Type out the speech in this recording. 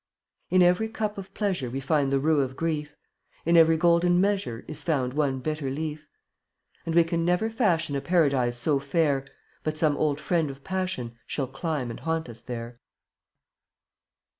32 In every cup of pleasure We find the rue of grief; In every golden measure Is found one bitter leaf; And we can never fashion A paradise so fair, But some old friend of passion Shall climb and haunt us there.